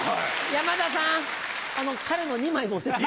山田さん彼の２枚持ってって。